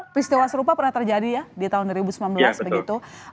peristiwa serupa pernah terjadi ya di tahun dua ribu sembilan belas begitu